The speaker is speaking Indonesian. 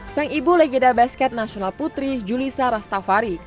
sang ibu legenda basket nasional putri julisa rastafari